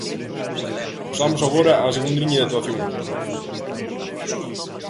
Pasamos agora á segunda liña de actuación.